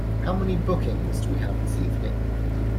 How many bookings do we have this evening?